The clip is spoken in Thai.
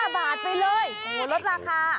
๕บาทไปเลยลดราคา